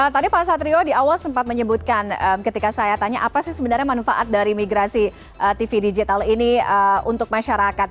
tadi pak satrio di awal sempat menyebutkan ketika saya tanya apa sih sebenarnya manfaat dari migrasi tv digital ini untuk masyarakat